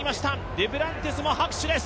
デュプランティスも拍手です。